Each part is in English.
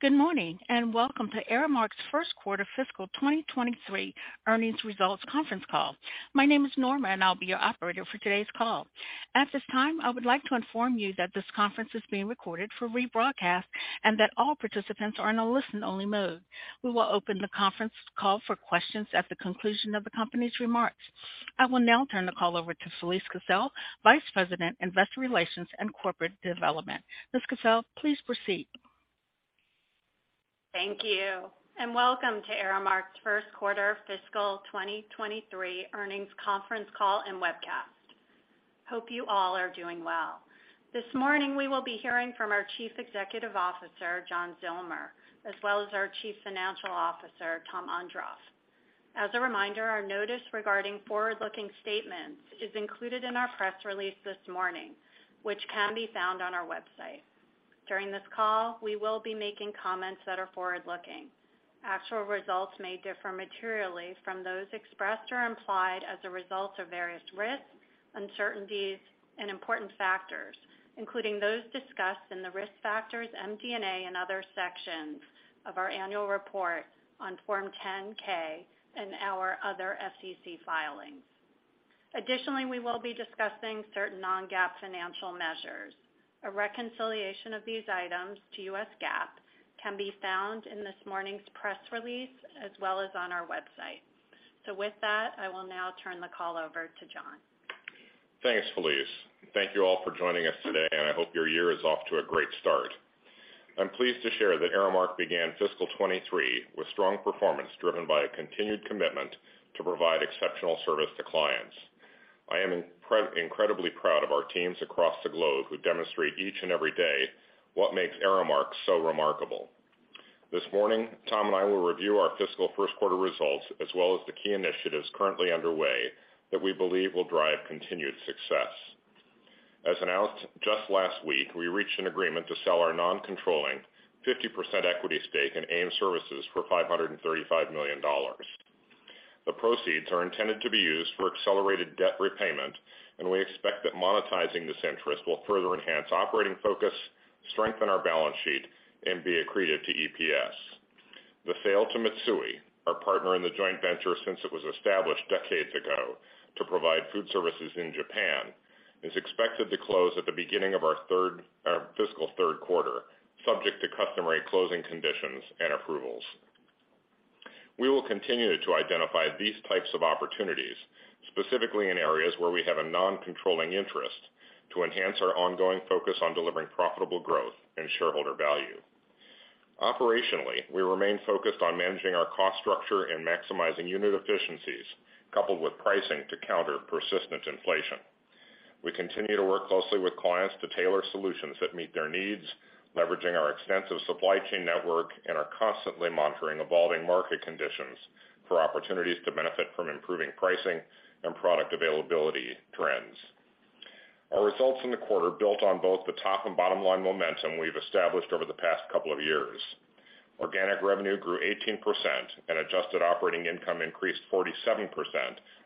Good morning, and welcome to Aramark's first quarter fiscal 2023 earnings results conference call. My name is Norma, and I'll be your operator for today's call. At this time, I would like to inform you that this conference is being recorded for rebroadcast, and that all participants are in a listen-only mode. We will open the conference call for questions at the conclusion of the company's remarks. I will now turn the call over to Felise Kissell, Vice President, Investor Relations and Corporate Development. Ms. Kissell, please proceed. Thank you, and welcome to Aramark's first quarter fiscal 2023 earnings conference call and webcast. Hope you all are doing well. This morning, we will be hearing from our Chief Executive Officer, John Zillmer, as well as our Chief Financial Officer, Tom Ondrof. As a reminder, our notice regarding forward-looking statements is included in our press release this morning, which can be found on our website. During this call, we will be making comments that are forward looking. Actual results may differ materially from those expressed or implied as a result of various risks, uncertainties, and important factors, including those discussed in the Risk Factors, MD&A and other sections of our annual report on Form 10-K and our other SEC filings. Additionally, we will be discussing certain non-GAAP financial measures. A reconciliation of these items to US GAAP can be found in this morning's press release as well as on our website. With that, I will now turn the call over to John. Thanks, Felise. Thank you all for joining us today, I hope your year is off to a great start. I'm pleased to share that Aramark began fiscal 2023 with strong performance driven by a continued commitment to provide exceptional service to clients. I am incredibly proud of our teams across the globe who demonstrate each and every day what makes Aramark so remarkable. This morning, Tom and I will review our fiscal first quarter results, as well as the key initiatives currently underway that we believe will drive continued success. As announced just last week, we reached an agreement to sell our non-controlling 50% equity stake in AIM Services for $535 million. The proceeds are intended to be used for accelerated debt repayment. We expect that monetizing this interest will further enhance operating focus, strengthen our balance sheet, and be accretive to EPS. The sale to Mitsui, our partner in the joint venture since it was established decades ago to provide food services in Japan, is expected to close at the beginning of our fiscal third quarter, subject to customary closing conditions and approvals. We will continue to identify these types of opportunities, specifically in areas where we have a non-controlling interest to enhance our ongoing focus on delivering profitable growth and shareholder value. Operationally, we remain focused on managing our cost structure and maximizing unit efficiencies, coupled with pricing to counter persistent inflation. We continue to work closely with clients to tailor solutions that meet their needs, leveraging our extensive supply chain network, and are constantly monitoring evolving market conditions for opportunities to benefit from improving pricing and product availability trends. Our results in the quarter built on both the top and bottom line momentum we've established over the past couple of years. Organic revenue grew 18%, and adjusted operating income increased 47%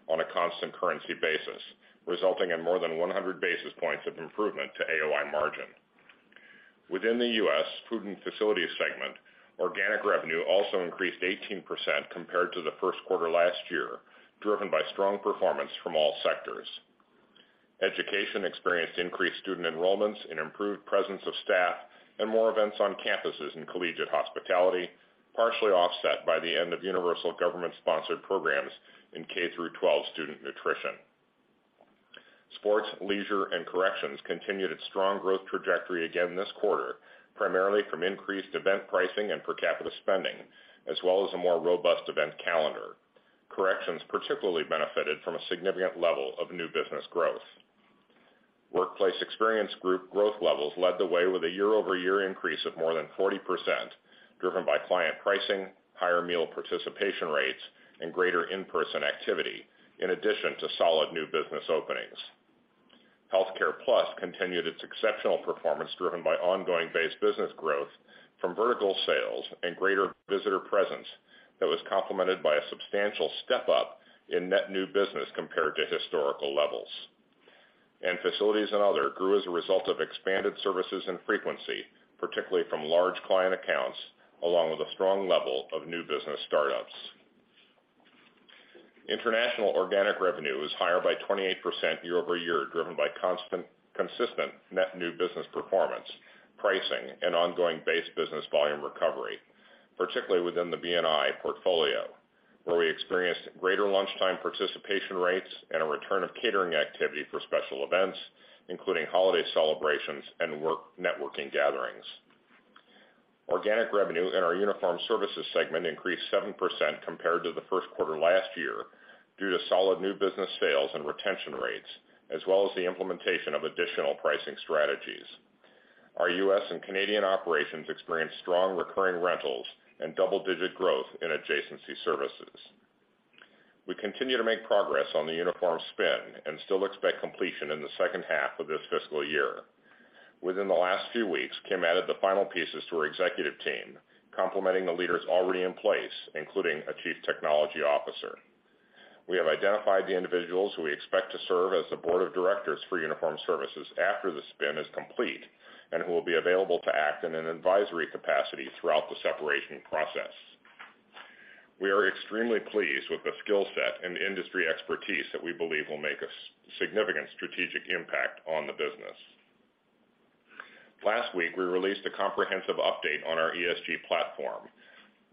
on a constant currency basis, resulting in more than 100 basis points of improvement to AOI margin. Within the US Food and Facilities segment, organic revenue also increased 18% compared to the first quarter last year, driven by strong performance from all sectors. Education experienced increased student enrollments and improved presence of staff and more events on campuses in collegiate hospitality, partially offset by the end of universal government-sponsored programs in K-12 student nutrition. Sports, leisure, and corrections continued its strong growth trajectory again this quarter, primarily from increased event pricing and per capita spending, as well as a more robust event calendar. Corrections particularly benefited from a significant level of new business growth. Workplace Experience Group growth levels led the way with a year-over-year increase of more than 40%, driven by client pricing, higher meal participation rates, and greater in-person activity, in addition to solid new business openings. Healthcare+ continued its exceptional performance, driven by ongoing base business growth from vertical sales and greater visitor presence that was complemented by a substantial step up in net new business compared to historical levels. Facilities and other grew as a result of expanded services and frequency, particularly from large client accounts, along with a strong level of new business startups. International organic revenue was higher by 28% year-over-year, driven by consistent net new business performance, pricing, and ongoing base business volume recovery, particularly within the B&I portfolio, where we experienced greater lunchtime participation rates and a return of catering activity for special events, including holiday celebrations and work networking gatherings. Organic revenue in our Uniform Services segment increased 7% compared to the first quarter last year due to solid new business sales and retention rates, as well as the implementation of additional pricing strategies. Our U.S. and Canadian operations experienced strong recurring rentals and double-digit growth in adjacency services. We continue to make progress on the uniform spin, and still expect completion in the second half of this fiscal year. Within the last few weeks, Kim added the final pieces to her executive team, complementing the leaders already in place, including a chief technology officer. We have identified the individuals who we expect to serve as the board of directors for Uniform Services after the spin is complete, and who will be available to act in an advisory capacity throughout the separation process. We are extremely pleased with the skill set and industry expertise that we believe will make a significant strategic impact on the business. Last week, we released a comprehensive update on our ESG platform.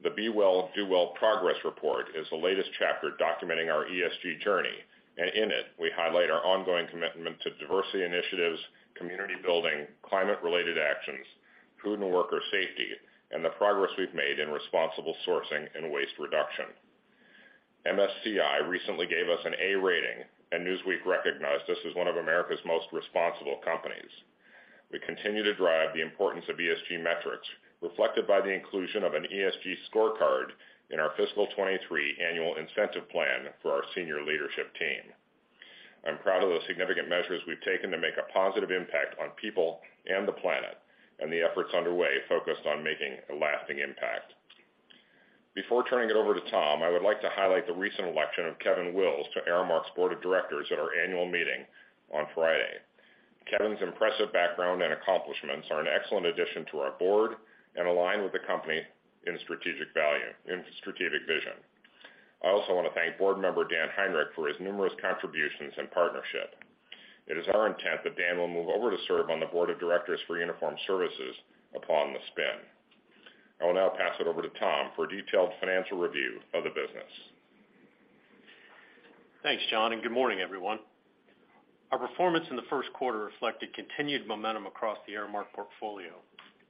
The Be Well. Do Well. progress report is the latest chapter documenting our ESG journey, in it, we highlight our ongoing commitment to diversity initiatives, community building, climate-related actions, food and worker safety, and the progress we've made in responsible sourcing and waste reduction. MSCI recently gave us an A rating. Newsweek recognized us as one of America's most responsible companies. We continue to drive the importance of ESG metrics, reflected by the inclusion of an ESG scorecard in our fiscal 2023 annual incentive plan for our senior leadership team. I'm proud of the significant measures we've taken to make a positive impact on people and the planet. The efforts underway focused on making a lasting impact. Before turning it over to Tom, I would like to highlight the recent election of Kevin Wills to Aramark's board of directors at our annual meeting on Friday. Kevin's impressive background and accomplishments are an excellent addition to our board, and align with the company in strategic vision. I also want to thank board member Dan Heinrich for his numerous contributions and partnership. It is our intent that Dan will move over to serve on the board of directors for Uniform Services upon the spin. I will now pass it over to Tom for a detailed financial review of the business. Thanks, John. Good morning, everyone. Our performance in the first quarter reflected continued momentum across the Aramark portfolio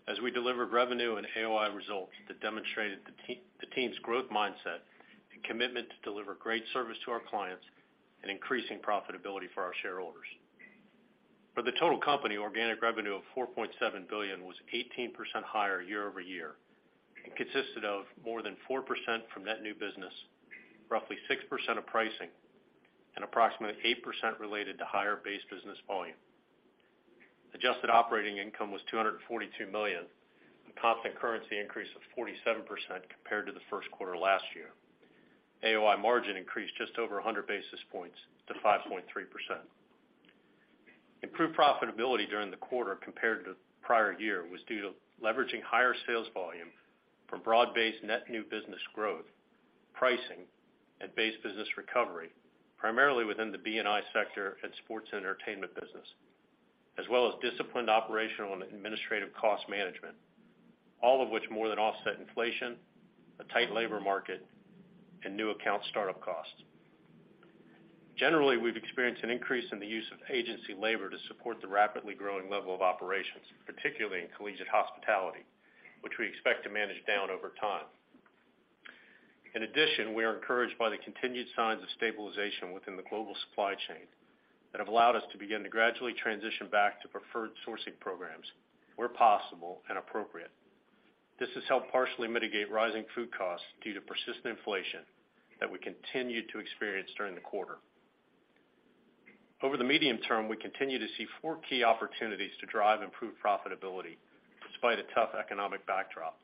as we delivered revenue and AOI results that demonstrated the team's growth mindset and commitment to deliver great service to our clients and increasing profitability for our shareholders. For the total company, organic revenue of $4.7 billion was 18% higher year-over-year and consisted of more than 4% from net new business, roughly 6% of pricing, and approximately 8% related to higher base business volume. Adjusted operating income was $242 million, a constant currency increase of 47% compared to the first quarter last year. AOI margin increased just over 100 basis points to 5.3%. Improved profitability during the quarter compared to the prior year was due to leveraging higher sales volume from broad-based net new business growth, pricing, and base business recovery, primarily within the B&I sector, and sports and entertainment business, as well as disciplined operational and administrative cost management, all of which more than offset inflation, a tight labor market, and new account startup costs. Generally, we've experienced an increase in the use of agency labor to support the rapidly growing level of operations, particularly in collegiate hospitality, which we expect to manage down over time. In addition, we are encouraged by the continued signs of stabilization within the global supply chain that have allowed us to begin to gradually transition back to preferred sourcing programs where possible and appropriate. This has helped partially mitigate rising food costs due to persistent inflation that we continued to experience during the quarter. Over the medium term, we continue to see four key opportunities to drive improved profitability despite a tough economic backdrop.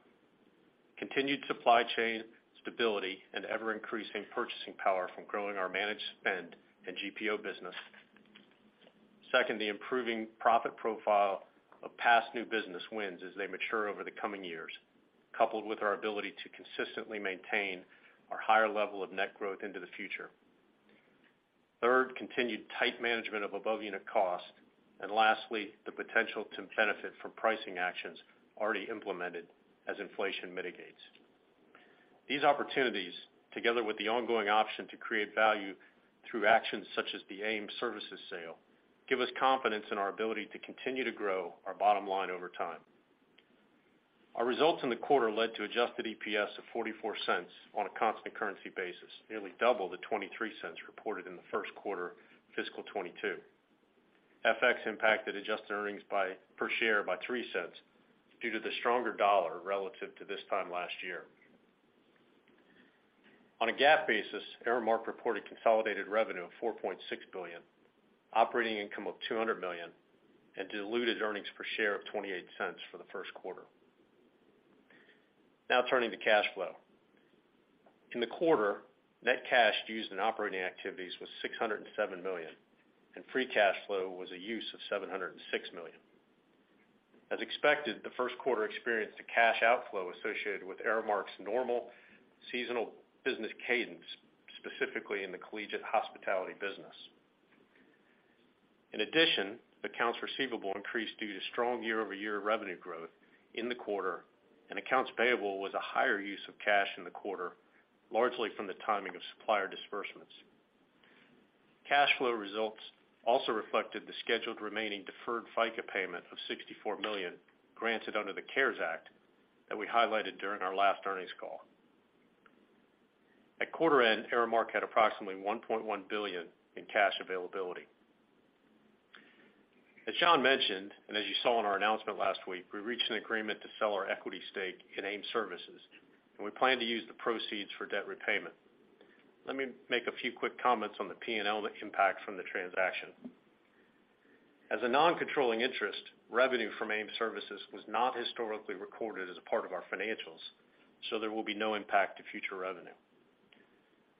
Continued supply chain stability and ever-increasing purchasing power from growing our managed spend and GPO business. Second, the improving profit profile of past new business wins as they mature over the coming years, coupled with our ability to consistently maintain our higher level of net growth into the future. Third, continued tight management of above-unit cost. Lastly, the potential to benefit from pricing actions already implemented as inflation mitigates. These opportunities, together with the ongoing option to create value through actions such as the AIM Services sale, give us confidence in our ability to continue to grow our bottom line over time. Our results in the quarter led to adjusted EPS of $0.44 on a constant currency basis, nearly double the $0.23 reported in the first quarter fiscal 2022. FX impacted adjusted earnings per share by $0.03 due to the stronger dollar relative to this time last year. On a GAAP basis, Aramark reported consolidated revenue of $4.6 billion, operating income of $200 million, and diluted earnings per share of $0.28 for the first quarter. Now turning to cash flow. In the quarter, net cash used in operating activities was $607 million, and free cash flow was a use of $706 million. As expected, the first quarter experienced a cash outflow associated with Aramark's normal seasonal business cadence, specifically in the collegiate hospitality business. Accounts receivable increased due to strong year-over-year revenue growth in the quarter, and accounts payable was a higher use of cash in the quarter, largely from the timing of supplier disbursements. Cash flow results also reflected the scheduled remaining deferred FICA payment of $64 million granted under the CARES Act that we highlighted during our last earnings call. At quarter-end, Aramark had approximately $1.1 billion in cash availability. As John mentioned, and as you saw in our announcement last week, we reached an agreement to sell our equity stake in AIM Services, and we plan to use the proceeds for debt repayment. Let me make a few quick comments on the P&L that impacts from the transaction. As a non-controlling interest, revenue from AIM Services was not historically recorded as a part of our financials, so there will be no impact to future revenue.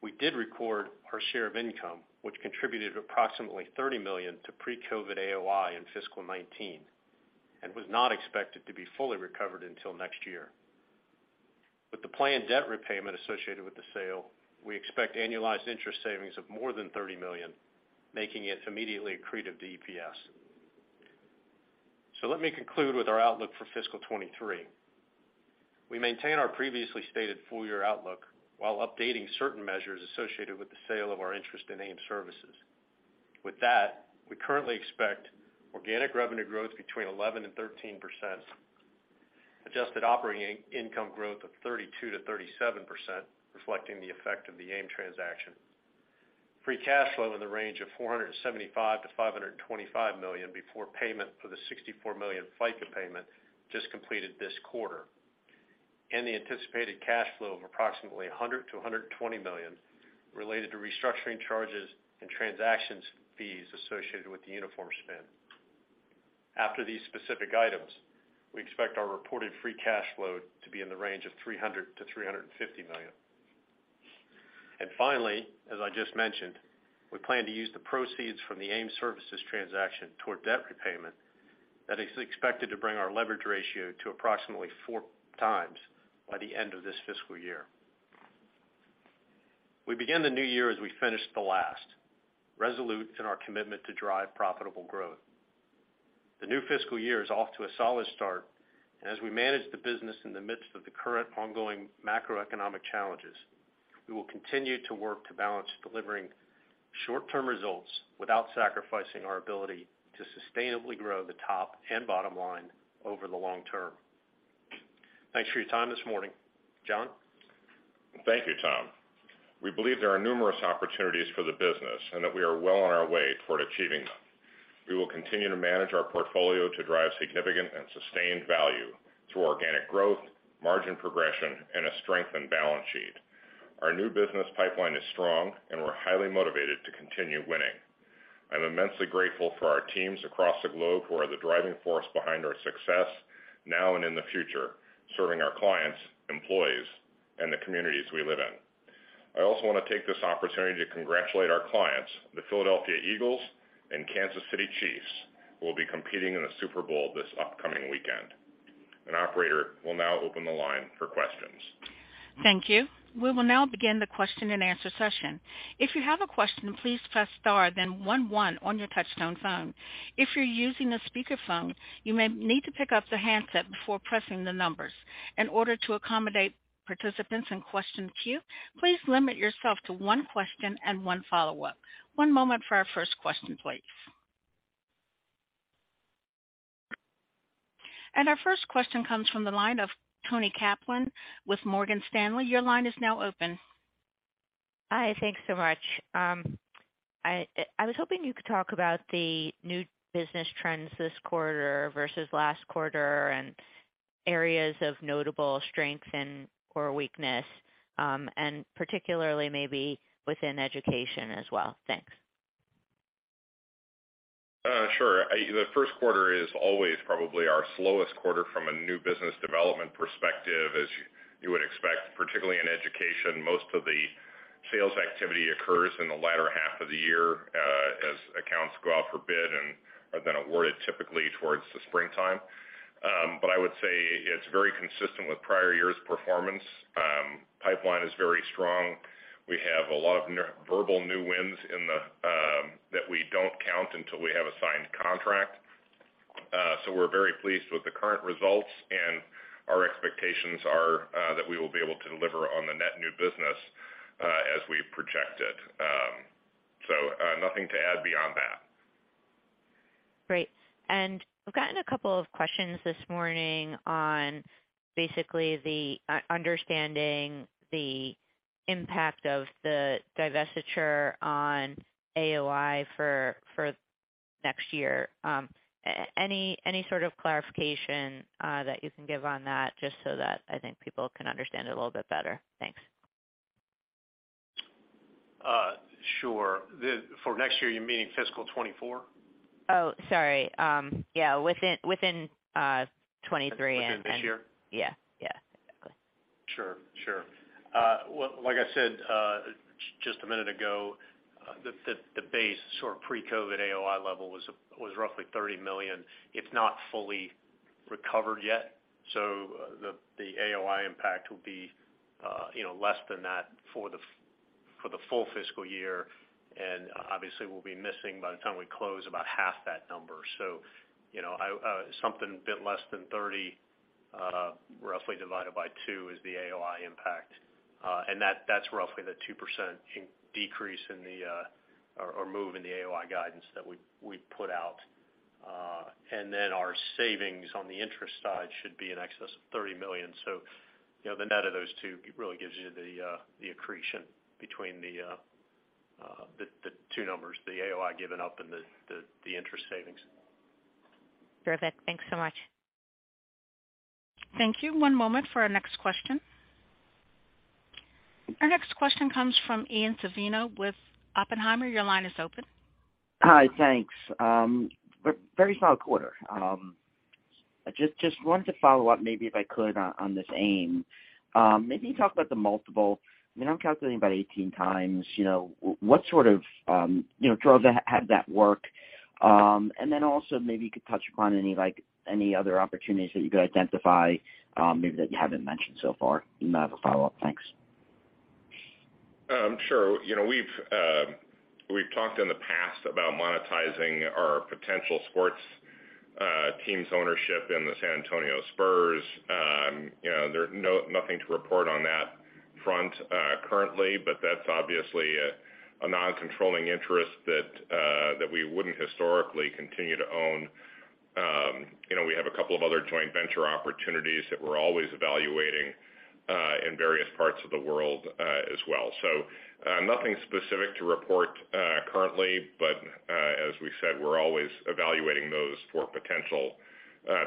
We did record our share of income, which contributed approximately $30 million to pre-COVID AOI in fiscal 2019, and was not expected to be fully recovered until next year. With the planned debt repayment associated with the sale, we expect annualized interest savings of more than $30 million, making it immediately accretive to EPS. Let me conclude with our outlook for fiscal 2023. We maintain our previously stated full year outlook while updating certain measures associated with the sale of our interest in AIM Services. With that, we currently expect organic revenue growth between 11% and 13%, adjusted operating income growth of 32%-37%, reflecting the effect of the AIM transaction. Free cash flow in the range of $475 million-$525 million before payment for the $64 million FICA payment just completed this quarter, and the anticipated cash flow of approximately $100 million-$120 million related to restructuring charges and transactions fees associated with the uniform spin. After these specific items, we expect our reported free cash flow to be in the range of $300 million-$350 million. Finally, as I just mentioned, we plan to use the proceeds from the AIM Services transaction toward debt repayment. That is expected to bring our leverage ratio to approximately 4x by the end of this fiscal year. We begin the new year as we finished the last, resolute in our commitment to drive profitable growth. The new fiscal year is off to a solid start, and as we manage the business in the midst of the current ongoing macroeconomic challenges, we will continue to work to balance delivering short-term results without sacrificing our ability to sustainably grow the top and bottom line over the long term. Thanks for your time this morning. John? Thank you, Tom. We believe there are numerous opportunities for the business and that we are well on our way toward achieving them. We will continue to manage our portfolio to drive significant and sustained value through organic growth, margin progression and a strengthened balance sheet. Our new business pipeline is strong, and we're highly motivated to continue winning. I'm immensely grateful for our teams across the globe who are the driving force behind our success now and in the future, serving our clients, employees, and the communities we live in. I also wanna take this opportunity to congratulate our clients, the Philadelphia Eagles and Kansas City Chiefs, who will be competing in the Super Bowl this upcoming weekend. An operator will now open the line for questions. Thank you. We will now begin the question-and-answer session. If you have a question, please press star, then one one on your touchtone phone. If you're using a speakerphone, you may need to pick up the handset before pressing the numbers. In order to accommodate participants in question queue, please limit yourself to one question and one follow-up. One moment for our first question, please. Our first question comes from the line of Toni Kaplan with Morgan Stanley. Your line is now open. Hi. Thanks so much. I was hoping you could talk about the new business trends this quarter versus last quarter and areas of notable strength and or weakness, and particularly maybe within education as well. Thanks. Sure. The first quarter is always probably our slowest quarter from a new business development perspective, as you would expect, particularly in education. Most of the sales activity occurs in the latter half of the year, as accounts go out for bid and are then awarded typically towards the springtime. I would say it's very consistent with prior years' performance. Pipeline is very strong. We have a lot of verbal new wins in the that we don't count until we have a signed contract. We're very pleased with the current results, and our expectations are that we will be able to deliver on the net new business as we project it. Nothing to add beyond that. Great. I've gotten two questions this morning on basically the understanding the impact of the divestiture on AOI for next year. Any sort of clarification that you can give on that, just so that I think people can understand it a little bit better? Thanks. Sure. For next year, you're meaning fiscal 2024? Oh, sorry. Yeah, within 2023. Within this year? Yeah, yeah. Sure, sure. Well, like I said, just a minute ago, the base sort of pre-COVID AOI level was roughly $30 million. It's not fully recovered yet, the AOI impact will be, you know, less than that for the full fiscal year. Obviously, we'll be missing by the time we close about half that number. You know, I, something a bit less than 30, roughly divided by two is the AOI impact. That's roughly the 2% decrease in the or move in the AOI guidance that we put out. Then our savings on the interest side should be in excess of $30 million. You know, the net of those two really gives you the accretion between the two numbers, the AOI given up and the interest savings. Perfect. Thanks so much. Thank you. One moment for our next question. Our next question comes from Ian Zaffino with Oppenheimer. Your line is open. Hi. Thanks. very small quarter. I just wanted to follow up, maybe if I could, on this AIM. maybe talk about the multiple. I mean, I'm calculating about 18x. You know, what sort of, you know, had that work? And then also maybe you could touch upon any, like, any other opportunities that you could identify, maybe that you haven't mentioned so far. Then I have a follow-up. Thanks. Sure. You know, we've talked in the past about monetizing our potential sports teams ownership in the San Antonio Spurs. You know, there are nothing to report on that front currently, but that's obviously a non-controlling interest that we wouldn't historically continue to own. You know, we have a couple of other joint venture opportunities that we're always evaluating in various parts of the world as well. Nothing specific to report currently, but as we said, we're always evaluating those for potential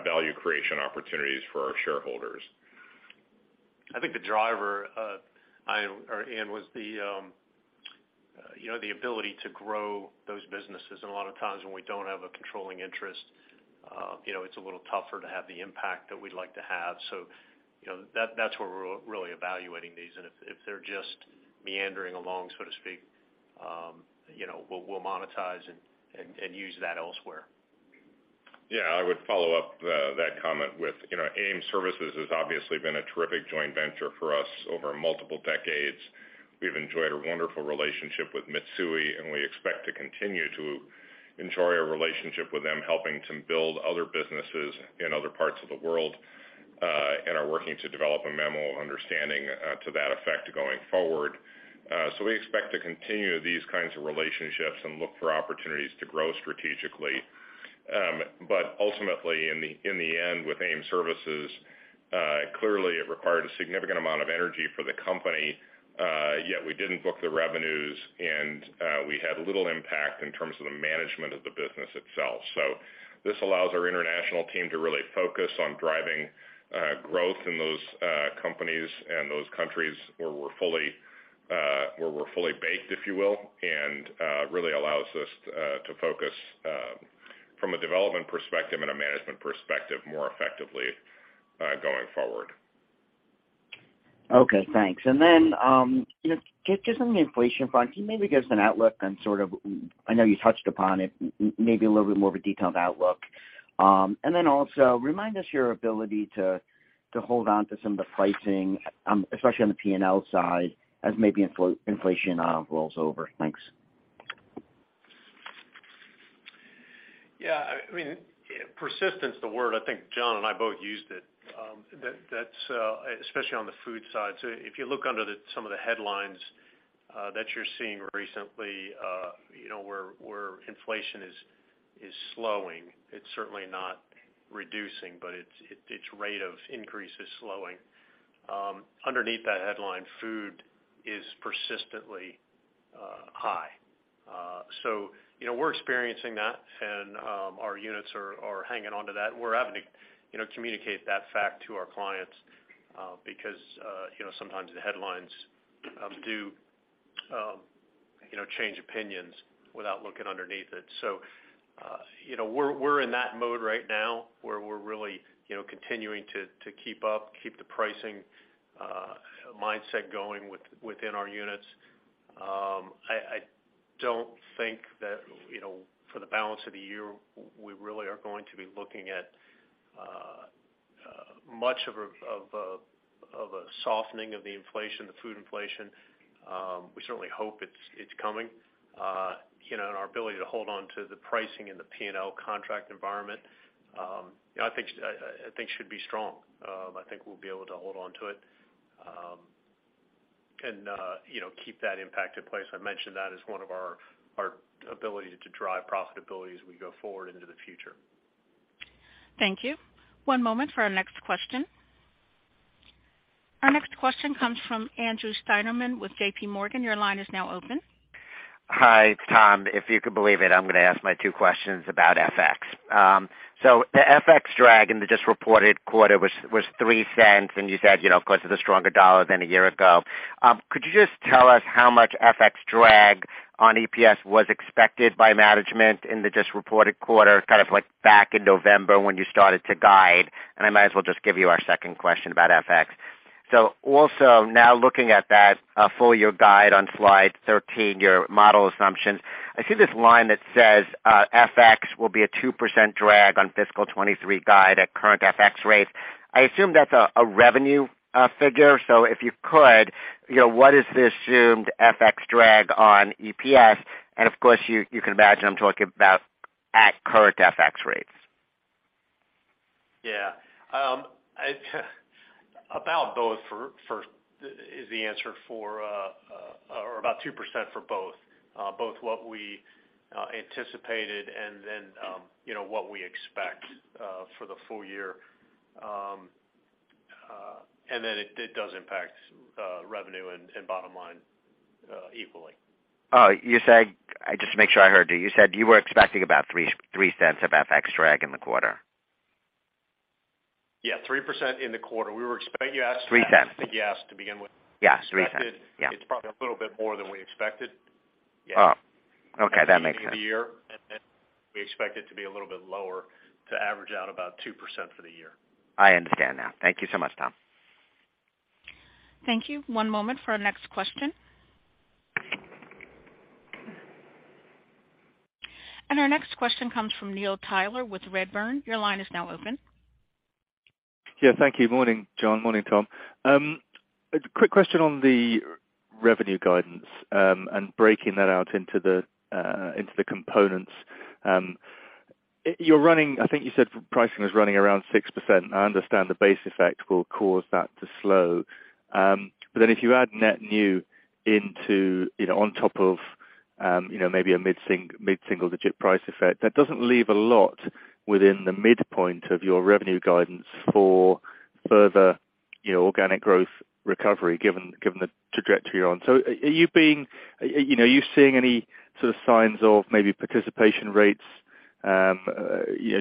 value creation opportunities for our shareholders. I think the driver, or, Ian, was the, you know, the ability to grow those businesses. A lot of times when we don't have a controlling interest, you know, it's a little tougher to have the impact that we'd like to have. You know, that's where we're really evaluating these. If they're just meandering along, so to speak, you know, we'll monetize and use that elsewhere. Yeah, I would follow up that comment with, you know, AIM Services has obviously been a terrific joint venture for us over multiple decades. We've enjoyed a wonderful relationship with Mitsui, and we expect to continue to enjoy a relationship with them, helping to build other businesses in other parts of the world, and are working to develop a memo of understanding to that effect going forward. We expect to continue these kinds of relationships and look for opportunities to grow strategically. Ultimately in the end, with AIM Services, clearly it required a significant amount of energy for the company, yet we didn't book the revenues and we had little impact in terms of the management of the business itself. This allows our international team to really focus on driving growth in those companies and those countries where we're fully where we're fully baked, if you will, and really allows us to focus from a development perspective and a management perspective, more effectively going forward. Okay, thanks. You know, just on the inflation front, can you maybe give us an outlook on sort of, I know you touched upon it, maybe a little bit more of a detailed outlook. Also remind us your ability to hold on to some of the pricing, especially on the P&L side as maybe inflation rolls over. Thanks. Yeah, I mean, persistence, the word, I think John and I both used it, that's especially on the food side. If you look under some of the headlines that you're seeing recently, you know, where inflation is slowing, it's certainly not reducing, but its rate of increase is slowing. Underneath that headline, food is persistently high. You know, we're experiencing that and our units are hanging on to that. We're having to, you know, communicate that fact to our clients because, you know, sometimes the headlines do, you know, change opinions without looking underneath it. You know, we're in that mode right now where we're really, you know, continuing to keep up, keep the pricing mindset going within our units. I don't think that, you know, for the balance of the year, we really are going to be looking at much of a, of a, of a softening of the inflation, the food inflation. We certainly hope it's coming. You know, and our ability to hold on to the pricing in the P&L contract environment, you know, I think should be strong. I think we'll be able to hold on to it, and, you know, keep that impact in place. I mentioned that as one of our ability to drive profitability as we go forward into the future. Thank you. One moment for our next question. Our next question comes from Andrew Steinerman with JPMorgan. Your line is now open. Hi, it's Tom. If you can believe it, I'm going to ask my two questions about FX. The FX drag in the just reported quarter was $0.03, and you said, you know, because of the stronger dollar than a year ago. Could you just tell us how much FX drag on EPS was expected by management in the just reported quarter, kind of like back in November when you started to guide? I might as well just give you our 2nd question about FX. Also now looking at that full year guide on slide 13, your model assumptions. I see this line that says FX will be a 2% drag on fiscal 2023 guide at current FX rates. I assume that's a revenue figure. If you could, you know, what is the assumed FX drag on EPS? Of course you can imagine I'm talking about at current FX rates. Yeah. about both for is the answer for, or about 2% for both what we anticipated and then, you know, what we expect for the full year. It does impact revenue and bottom line equally. Oh, just to make sure I heard you. You said you were expecting about $0.03 of FX drag in the quarter? Yeah, 3% in the quarter. We were expecting you to ask. 3%. Yes, to begin with. Yes, 3%. Yeah. It's probably a little bit more than we expected. Yeah. Oh, okay. That makes sense. At the beginning of the year, and we expect it to be a little bit lower to average out about 2% for the year. I understand now. Thank you so much, Tom. Thank you. One moment for our next question. Our next question comes from Neil Tyler with Redburn. Your line is now open. Yeah, thank you. Morning, John. Morning, Tom. A quick question on the revenue guidance, and breaking that out into the components. I think you said pricing is running around 6%. I understand the base effect will cause that to slow. If you add net new into, you know, on top of, you know, maybe a mid-single digit price effect, that doesn't leave a lot within the midpoint of your revenue guidance for further, you know, organic growth recovery given the trajectory you're on. Are you being, you know, are you seeing any sort of signs of maybe participation rates,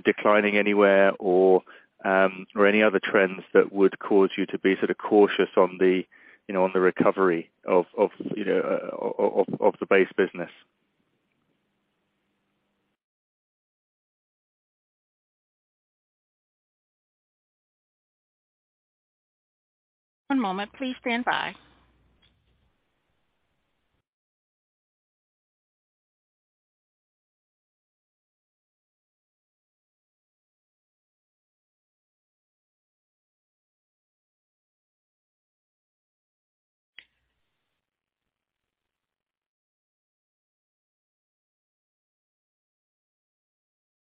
declining anywhere or any other trends that would cause you to be sort of cautious on the, you know, on the recovery of the base business? One moment, please stand by.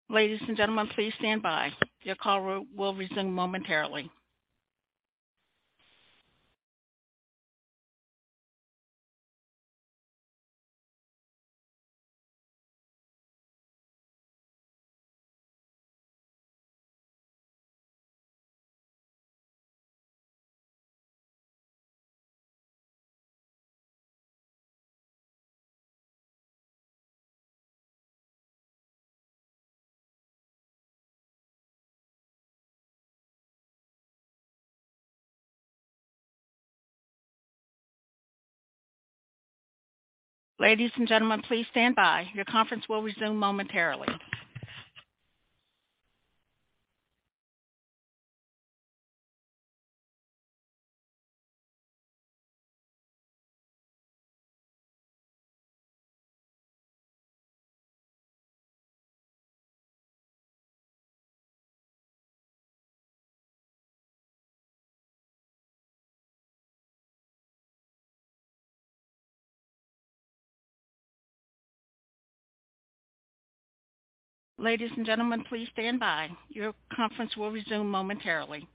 Ladies and gentlemen, please stand by. Your call will resume momentarily. Ladies and gentlemen, please stand by. Your conference will resume momentarily. Ladies and gentlemen, please stand by. Your conference will resume momentarily.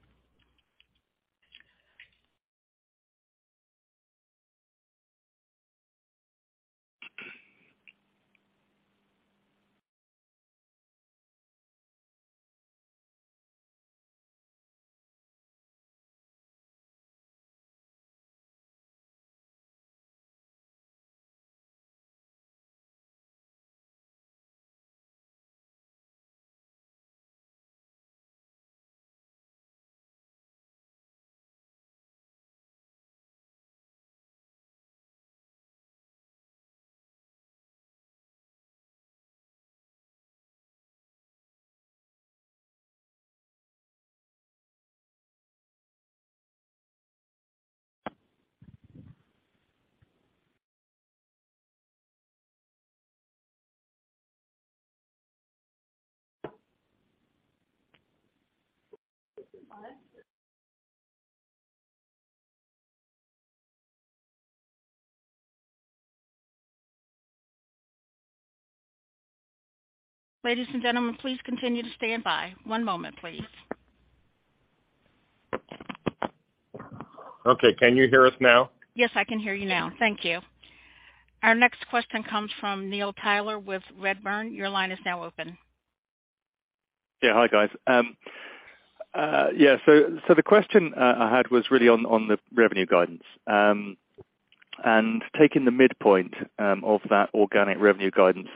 Ladies and gentlemen, please continue to stand by. One moment, please. Okay. Can you hear us now? Yes, I can hear you now. Thank you. Our next question comes from Neil Tyler with Redburn. Your line is now open. Yeah. Hi, guys. Yeah, so the question I had was really on the revenue guidance and taking the midpoint of that organic revenue guidance.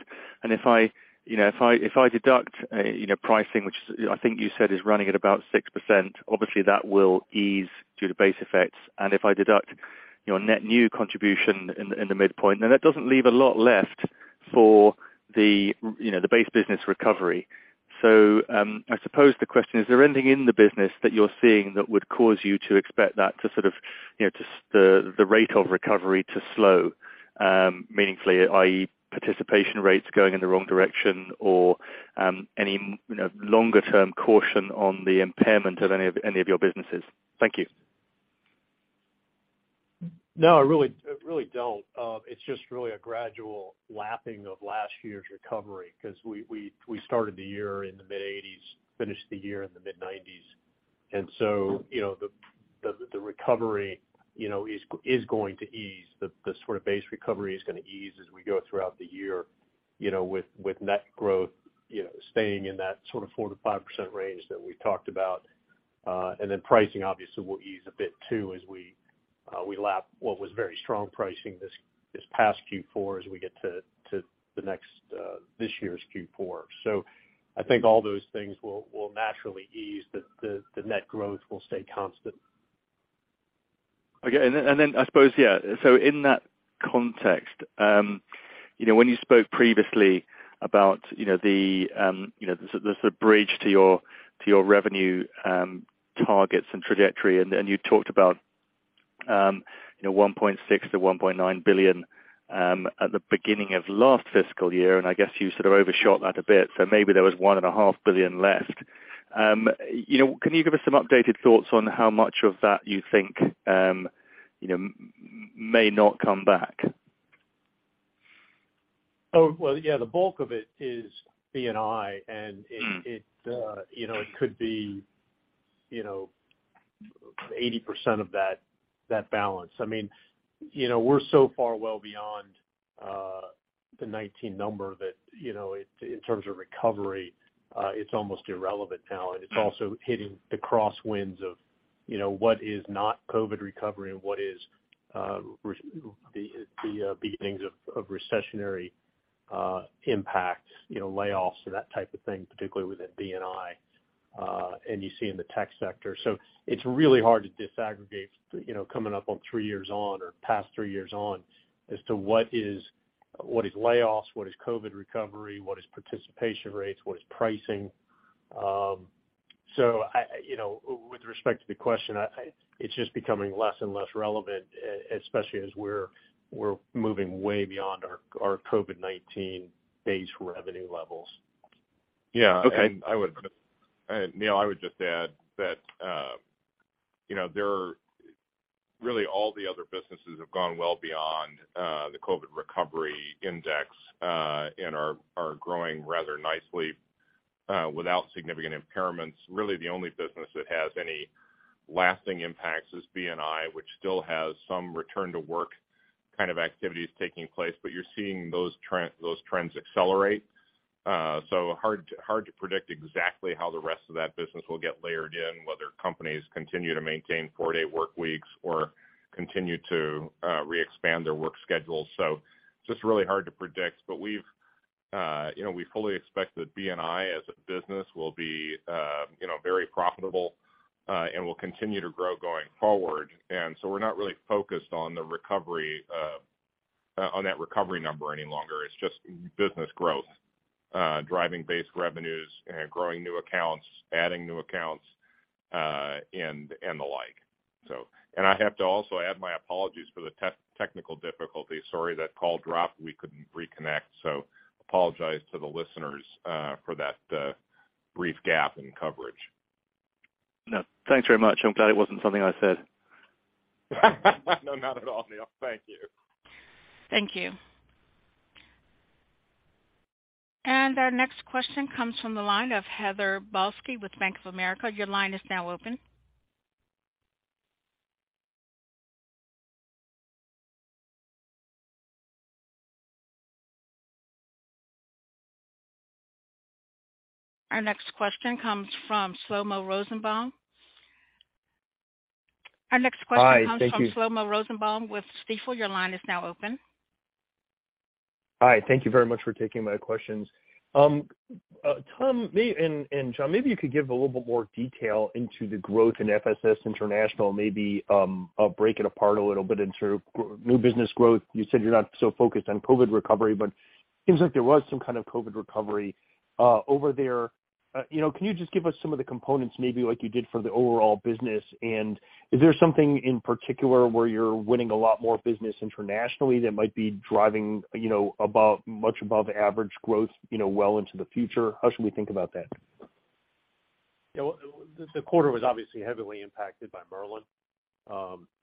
If I, you know, if I deduct, you know, pricing, which I think you said is running at about 6%, obviously that will ease due to base effects. If I deduct your net new contribution in the midpoint, then that doesn't leave a lot left for the, you know, the base business recovery. I suppose the question, is there anything in the business that you're seeing that would cause you to expect that to sort of, you know, the rate of recovery to slow meaningfully, i.e., participation rates going in the wrong direction or, any, you know, longer term caution on the impairment of any of your businesses? Thank you. No, I really don't. It's just really a gradual lapping of last year's recovery because we started the year in the mid-80s, finished the year in the mid-90s. The recovery is going to ease. The sort of base recovery is going to ease as we go throughout the year, with net growth staying in that sort of 4%-5% range that we talked about. Pricing obviously will ease a bit too, as we lap what was very strong pricing this past Q4 as we get to the next this year's Q4. I think all those things will naturally ease, but the net growth will stay constant. Okay. I suppose, yeah, so in that context, you know, when you spoke previously about, you know, the, you know, the sort of bridge to your, to your revenue, targets and trajectory, and you talked about, you know, $1.6 billion-$1.9 billion, at the beginning of last fiscal year, and I guess you sort of overshot that a bit, so maybe there was one and a half billion left. You know, can you give us some updated thoughts on how much of that you think, you know, may not come back? Oh, well, yeah, the bulk of it is B&I. Mm. It, you know, it could be, you know, 80% of that balance. I mean, you know, we're so far well beyond the 19 number that, you know, in terms of recovery, it's almost irrelevant now. It's also hitting the crosswinds of, you know, what is not COVID recovery and what is the beginnings of recessionary impacts, you know, layoffs and that type of thing, particularly within B&I, and you see in the tech sector. It's really hard to disaggregate, you know, coming up on three years on or past three years on as to what is, what is layoffs, what is COVID recovery, what is participation rates, what is pricing. I, you know, with respect to the question, I... It's just becoming less and less relevant especially as we're moving way beyond our COVID-19 base revenue levels. Okay. Yeah. Neil, I would just add that, you know, there are really all the other businesses have gone well beyond the COVID recovery index and are growing rather nicely without significant impairments. Really the only business that has any lasting impacts is B&I, which still has some return to work kind of activities taking place, but you're seeing those trends accelerate. Hard to predict exactly how the rest of that business will get layered in, whether companies continue to maintain four-day work weeks or continue to re-expand their work schedules. Just really hard to predict, but we've, you know, we fully expect that B&I as a business will be, you know, very profitable and will continue to grow going forward. We're not really focused on the recovery on that recovery number any longer. It's just business growth, driving base revenues and growing new accounts, adding new accounts, and the like. I have to also add my apologies for the technical difficulty. Sorry, that call dropped. We couldn't reconnect. apologize to the listeners for that brief gap in coverage. No, thanks very much. I'm glad it wasn't something I said. No, not at all, Neil. Thank you. Thank you. Our next question comes from the line of Heather Balsky with Bank of America. Your line is now open. Our next question comes from Shlomo Rosenbaum. Hi. Thank you. Our next question comes from Shlomo Rosenbaum with Stifel. Your line is now open. Hi. Thank you very much for taking my questions. Tom, and John, maybe you could give a little bit more detail into the growth in FSS International, maybe, break it apart a little bit in new business growth. You said you're not so focused on COVID recovery, but it seems like there was some kind of COVID recovery, over there. You know, can you just give us some of the components maybe like you did for the overall business? Is there something in particular where you're winning a lot more business internationally that might be driving, you know, above, much above average growth, you know, well into the future? How should we think about that? Yeah. Well, the quarter was obviously heavily impacted by Merlin,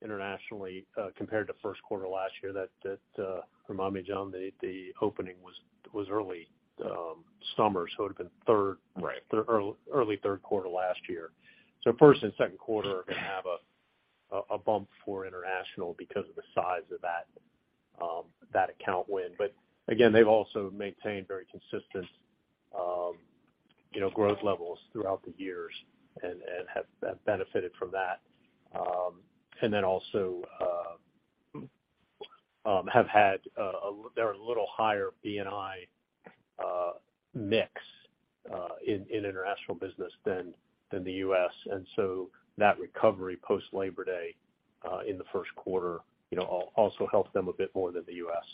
internationally, compared to first quarter last year that remind me, John, the opening was early summer, so it would've been third. Right. Early 3rd quarter last year. First and 2nd quarter are gonna have a bump for international because of the size of that account win. Again, they've also maintained very consistent, you know, growth levels throughout the years and have benefited from that. Also, have had a little higher B&I mix in international business than the U.S. That recovery post Labor Day, in the 1st quarter, you know, also helps them a bit more than the U.S.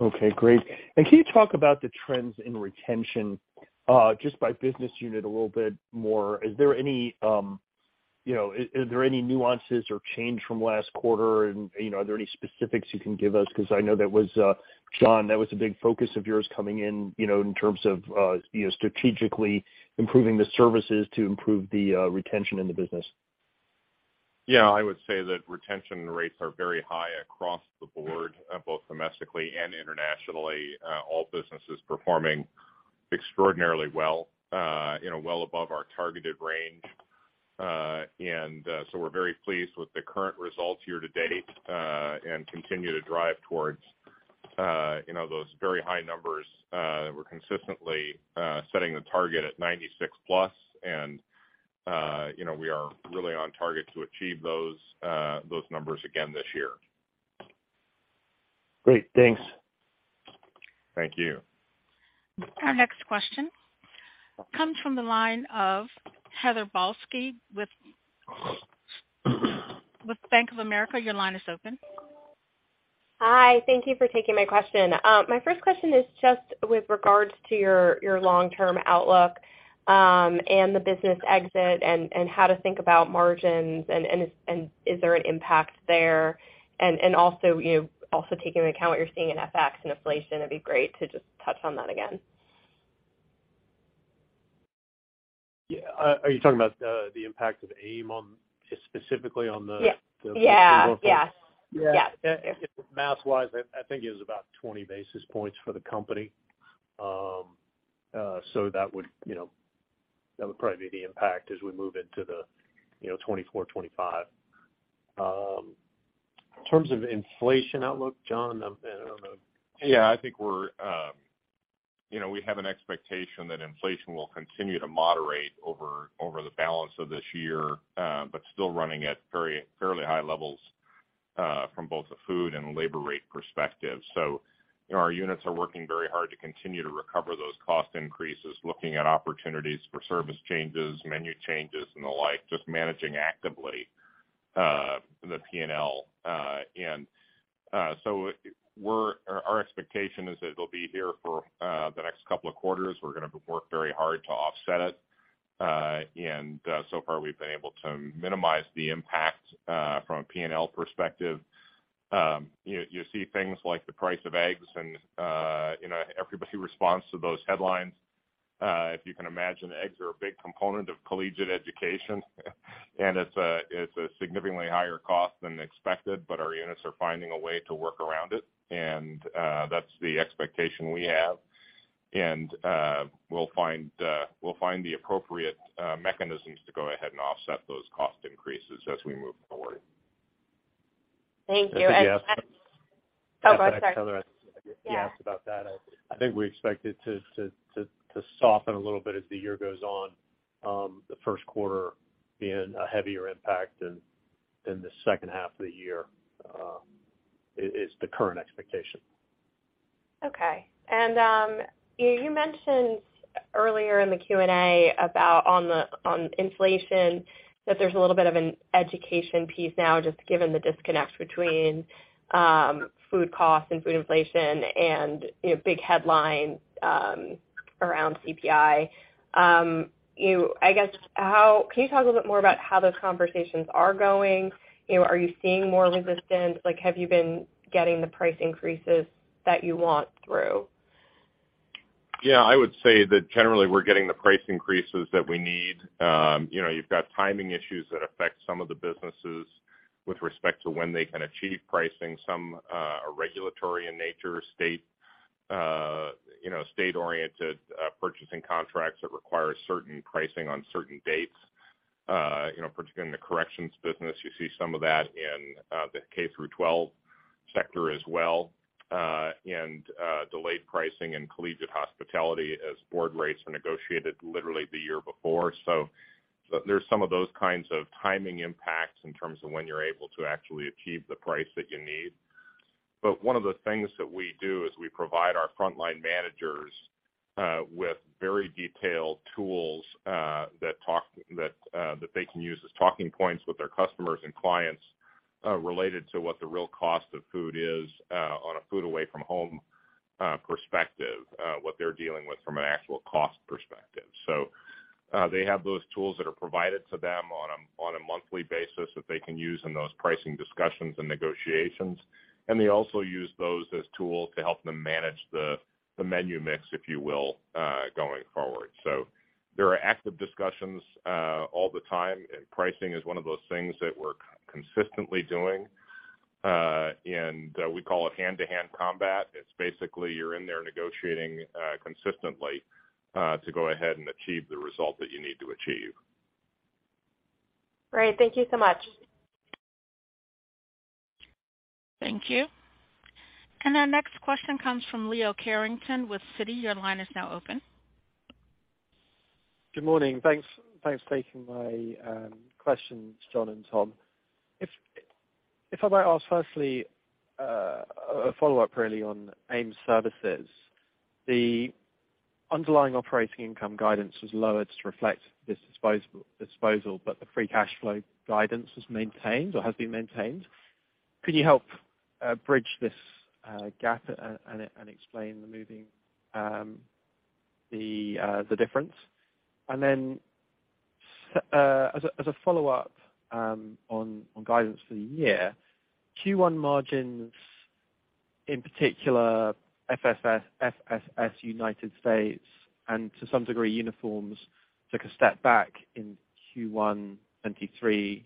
Okay. Great. Can you talk about the trends in retention just by business unit a little bit more? Is there any, you know, nuances or change from last quarter? You know, are there any specifics you can give us? 'Cause I know that was John, that was a big focus of yours coming in, you know, in terms of, you know, strategically improving the services to improve the retention in the business. Yeah. I would say that retention rates are very high across the board, both domestically and internationally. All businesses performing extraordinarily well, you know, well above our targeted range. We're very pleased with the current results year to date and continue to drive towards, you know, those very high numbers that we're consistently setting the target at 96%+, and, you know, we are really on target to achieve those numbers again this year. Great. Thanks. Thank you. Our next question comes from the line of Heather Balsky with Bank of America. Your line is open. Hi. Thank you for taking my question. My first question is just with regards to your long-term outlook and the business exit and how to think about margins and is there an impact there? Also, you know, also taking into account what you're seeing in FX and inflation, it'd be great to just touch on that again. Yeah. Are you talking about the impact of AIM on, specifically on the- Yeah. Yeah. Math-wise, I think it was about 20 basis points for the company. That would, you know, that would probably be the impact as we move into the, you know, 2024, 2025. In terms of inflation outlook, John, I don't know. Yeah. I think we're, you know, we have an expectation that inflation will continue to moderate over the balance of this year, but still running at very fairly high levels, from both the food and labor rate perspective. You know, our units are working very hard to continue to recover those cost increases, looking at opportunities for service changes, menu changes, and the like, just managing actively, the P&L. Our expectation is that it'll be here for the next couple of quarters. We're gonna work very hard to offset it. We've been able to minimize the impact, from a P&L perspective. You see things like the price of eggs, you know, everybody responds to those headlines. If you can imagine, eggs are a big component of collegiate education, and it's a significantly higher cost than expected. Our units are finding a way to work around it, and that's the expectation we have. We'll find the appropriate mechanisms to go ahead and offset those cost increases as we move forward. Thank you. And to add- Oh, go ahead. Sorry. Can I add, Heather? Yeah. You asked about that. I think we expect it to soften a little bit as the year goes on. The first quarter being a heavier impact than the second half of the year is the current expectation. Okay. You mentioned earlier in the Q&A about on inflation that there's a little bit of an education piece now just given the disconnect between food costs and food inflation and, you know, big headlines around CPI. You know, I guess how can you talk a little bit more about how those conversations are going? You know, are you seeing more resistance? Like, have you been getting the price increases that you want through? Yeah. I would say that generally we're getting the price increases that we need. you know, you've got timing issues that affect some of the businesses with respect to when they can achieve pricing. Some are regulatory in nature, state, you know, state-oriented, purchasing contracts that require certain pricing on certain dates. you know, particularly in the corrections business, you see some of that in the K-12 sector as well. And delayed pricing in collegiate hospitality as board rates are negotiated literally the year before. There's some of those kinds of timing impacts in terms of when you're able to actually achieve the price that you need. One of the things that we do is we provide our frontline managers with very detailed tools that they can use as talking points with their customers and clients related to what the real cost of food is on a food away from home perspective, what they're dealing with from an actual cost perspective. They have those tools that are provided to them on a monthly basis that they can use in those pricing discussions and negotiations. They also use those as tools to help them manage the menu mix, if you will, going forward. There are active discussions all the time, and pricing is one of those things that we're consistently doing. We call it hand-to-hand combat. It's basically you're in there negotiating, consistently, to go ahead and achieve the result that you need to achieve. Great. Thank you so much. Thank you. Our next question comes from Leo Carrington with Citi. Your line is now open. Good morning. Thanks, thanks for taking my questions, John and Tom. If I might ask firstly, a follow-up really on AIM Services. The underlying operating income guidance was lowered to reflect this disposal, but the free cash flow guidance was maintained or has been maintained. Could you help bridge this gap and explain the moving the difference? As a follow-up on guidance for the year, Q1 margins, in particular FSS United States, and to some degree, uniforms, took a step back in Q1 2023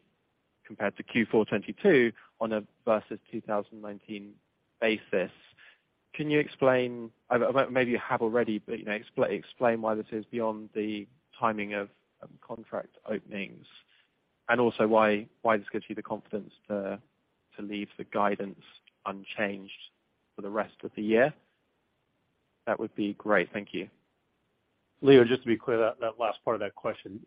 compared to Q4 2022 on a versus 2019 basis. Can you explain, maybe you have already, but, you know, explain why this is beyond the timing of contract openings? Also why this gives you the confidence to leave the guidance unchanged for the rest of the year? That would be great. Thank you. Leo, just to be clear, that last part of that question,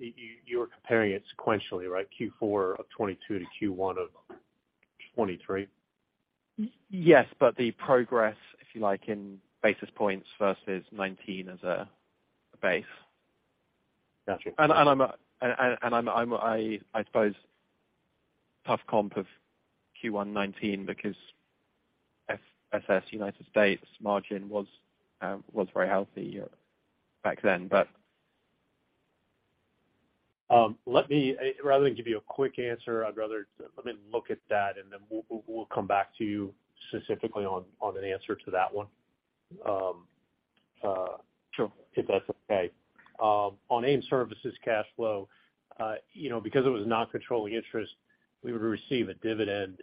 you were comparing it sequentially, right? Q4 of 2022 to Q1 of 2023. Yes, but the progress, if you like, in basis points versus 2019 as a base. Got you. I suppose tough comp of Q1 2019 because FSS United States margin was very healthy back then. Let me, rather than give you a quick answer, I'd rather let me look at that and then we'll come back to you specifically on an answer to that one. Sure. If that's okay. On AIM Services cash flow, you know, because it was not controlling interest, we would receive a dividend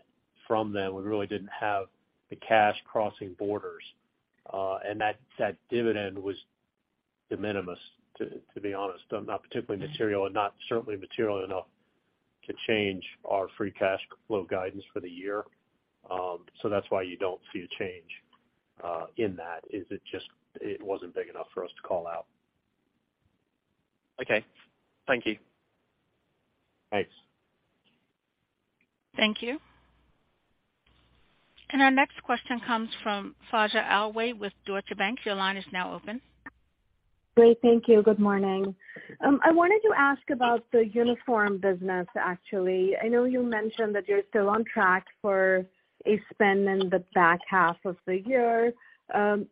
from them. We really didn't have the cash crossing borders, and that dividend was de minimis to be honest, not particularly material and not certainly material enough to change our free cash flow guidance for the year. That's why you don't see a change in that, is it just, it wasn't big enough for us to call out. Okay. Thank you. Thanks. Thank you. Our next question comes from Faiza Alwy with Deutsche Bank. Your line is now open. Great. Thank you. Good morning. I wanted to ask about the uniform business, actually. I know you mentioned that you're still on track for a spend in the back half of the year.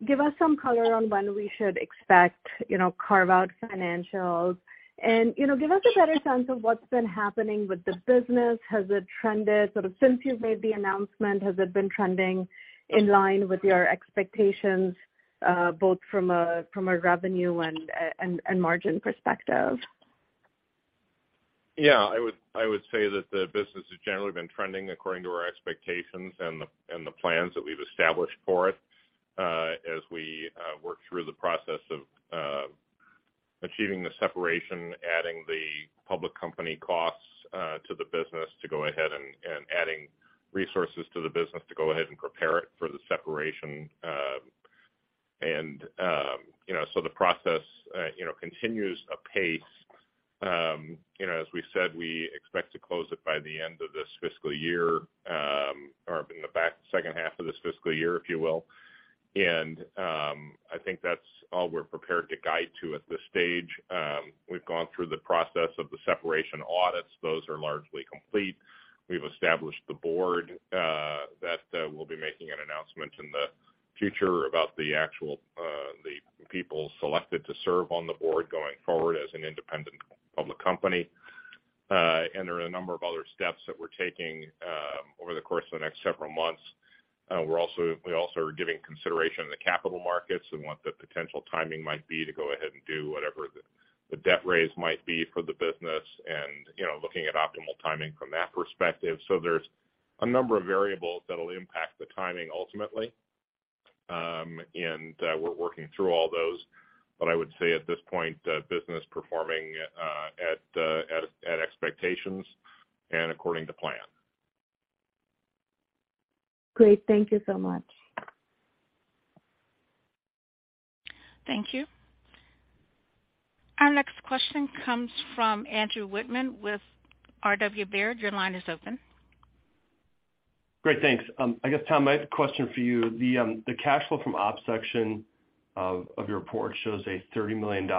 Give us some color on when we should expect, you know, carve out financials. You know, give us a better sense of what's been happening with the business. Has it trended sort of since you've made the announcement, has it been trending in line with your expectations, both from a, from a revenue and margin perspective? Yeah, I would say that the business has generally been trending according to our expectations and the plans that we've established for it, as we work through the process of achieving the separation, adding the public company costs to the business to go ahead and adding resources to the business to go ahead and prepare it for the separation. And, you know, so the process, you know, continues apace. You know, as we said, we expect to close it by the end of this fiscal year, or in the second half of this fiscal year, if you will. I think that's all we're prepared to guide to at this stage. We've gone through the process of the separation audits. Those are largely complete. We've established the board that we'll be making an announcement in the future about the actual people selected to serve on the board going forward as an independent public company. There are a number of other steps that we're taking over the course of the next several months. We also are giving consideration in the capital markets and what the potential timing might be to go ahead and do whatever the debt raise might be for the business and, you know, looking at optimal timing from that perspective. There's a number of variables that'll impact the timing ultimately. We're working through all those. I would say at this point, the business performing at expectations and according to plan. Great. Thank you so much. Thank you. Our next question comes from Andrew Wittmann with RW Baird. Your line is open. Great, thanks. I guess, Tom, I have a question for you. The cash flow from ops section of your report shows a $30 million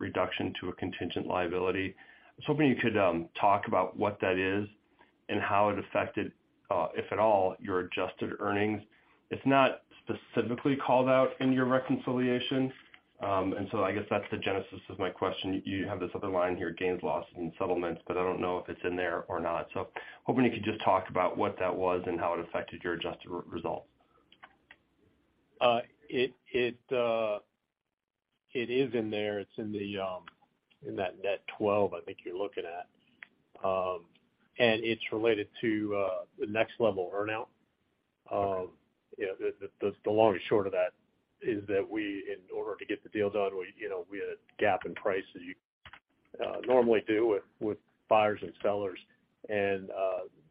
reduction to a contingent liability. I was hoping you could talk about what that is and how it affected, if at all, your adjusted earnings. It's not specifically called out in your reconciliation. I guess that's the genesis of my question. You have this other line here, gains, losses, and settlements, but I don't know if it's in there or not. Hoping you could just talk about what that was and how it affected your adjusted re-results. It is in there. It's in the in that net 12 I think you're looking at. It's related to the Next Level earn-out. You know, the long and short of that is that we, in order to get the deal done, we, you know, we had a gap in price as you normally do with buyers and sellers.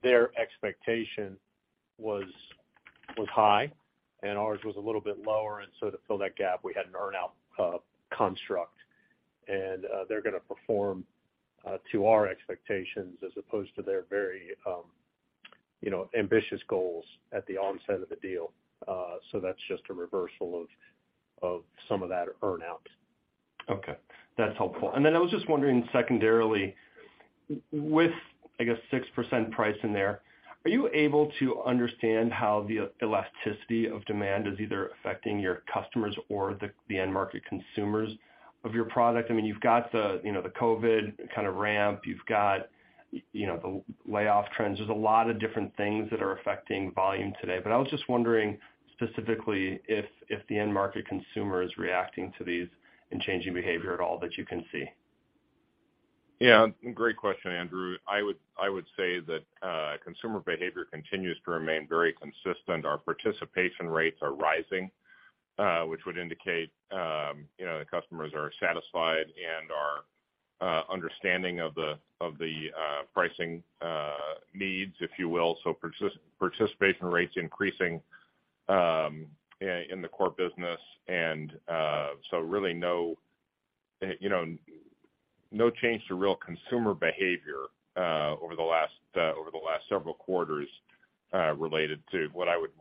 Their expectation was high, and ours was a little bit lower. To fill that gap, we had an earn-out construct. They're gonna perform to our expectations as opposed to their very, you know, ambitious goals at the onset of the deal. That's just a reversal of some of that earn-out. Okay, that's helpful. Then I was just wondering secondarily, with, I guess, 6% price in there, are you able to understand how the elasticity of demand is either affecting your customers or the end market consumers of your product? I mean, you've got the, you know, the COVID kind of ramp. You've got, you know, the layoff trends. There's a lot of different things that are affecting volume today. I was just wondering specifically if the end market consumer is reacting to these and changing behavior at all that you can see. Yeah. Great question, Andrew. I would say that consumer behavior continues to remain very consistent. Our participation rates are rising. Which would indicate, you know, the customers are satisfied and are understanding of the pricing needs, if you will. Participation rates increasing in the core business and, so really no, you know, no change to real consumer behavior over the last over the last several quarters related to what I would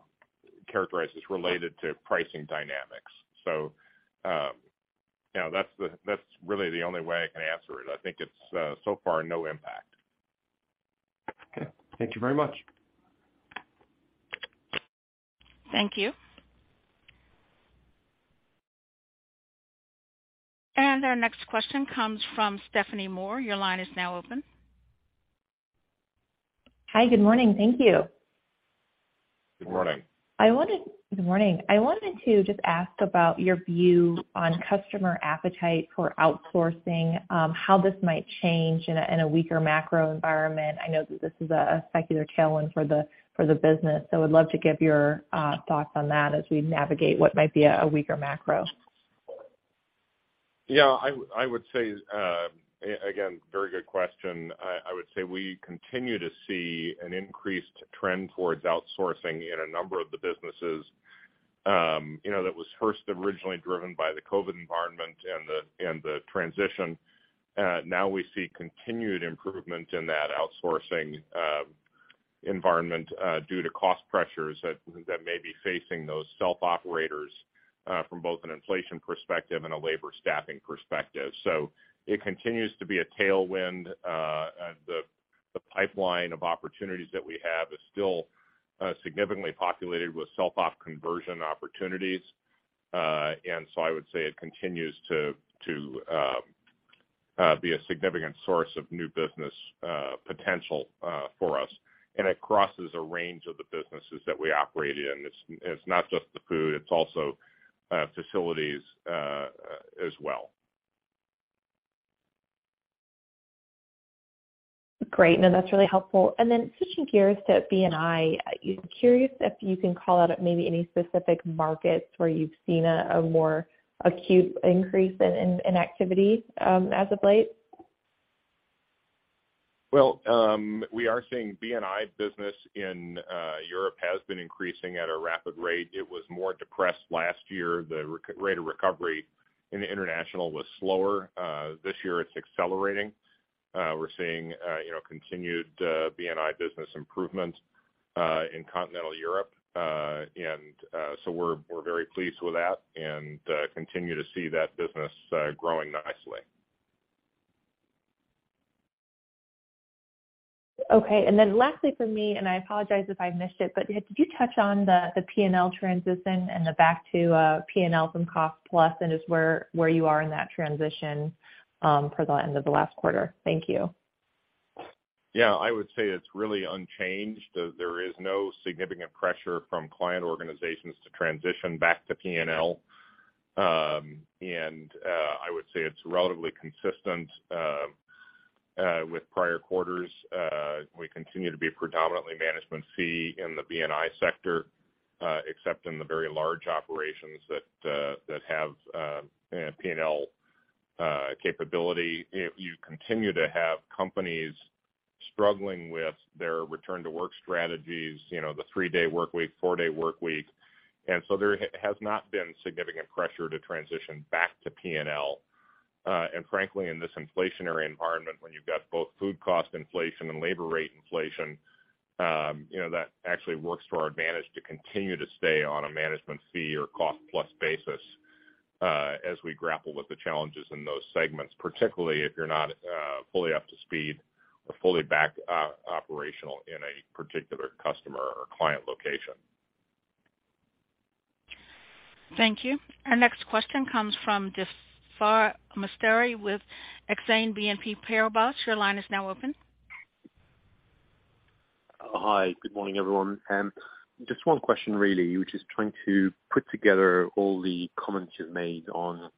characterize as related to pricing dynamics. You know, that's really the only way I can answer it. I think it's so far, no impact. Okay. Thank you very much. Thank you. Our next question comes from Stephanie Moore. Your line is now open. Hi, good morning. Thank you. Good morning. Good morning. I wanted to just ask about your view on customer appetite for outsourcing, how this might change in a weaker macro environment. I know that this is a secular tailwind for the business, would love to get your thoughts on that as we navigate what might be a weaker macro. Yeah, I would say, again, very good question. I would say we continue to see an increased trend towards outsourcing in a number of the businesses. you know, that was first originally driven by the COVID environment and the transition. Now we see continued improvement in that outsourcing environment due to cost pressures that may be facing those self-operators from both an inflation perspective and a labor staffing perspective. It continues to be a tailwind. The pipeline of opportunities that we have is still significantly populated with self-op conversion opportunities. I would say it continues to be a significant source of new business potential for us. It crosses a range of the businesses that we operate in. It's not just the food, it's also facilities as well. Great. No, that's really helpful. Switching gears to B&I, curious if you can call out maybe any specific markets where you've seen a more acute increase in activity as of late? We are seeing B&I business in Europe has been increasing at a rapid rate. It was more depressed last year. The rate of recovery in the international was slower. This year it's accelerating. We're seeing, you know, continued B&I business improvement in continental Europe. We're very pleased with that and continue to see that business growing nicely. Okay. Lastly from me, and I apologize if I missed it, but did you touch on the P&L transition and the back to P&Ls and cost plus, and just where you are in that transition for the end of the last quarter? Thank you. Yeah, I would say it's really unchanged. There is no significant pressure from client organizations to transition back to P&L. I would say it's relatively consistent with prior quarters. We continue to be predominantly management C in the B&I sector, except in the very large operations that have P&L capability. You continue to have companies struggling with their return to work strategies, you know, the three-day work week, four-day work week. So there has not been significant pressure to transition back to P&L. Frankly, in this inflationary environment, when you've got both food cost inflation and labor rate inflation, you know, that actually works to our advantage to continue to stay on a management fee or cost plus basis, as we grapple with the challenges in those segments, particularly if you're not fully up to speed or fully back operational in a particular customer or client location. Thank you. Our next question comes from Jaafar Mestari with Exane BNP Paribas. Your line is now open. Hi, good morning, everyone. Just one question really, which is trying to put together all the comments you've made on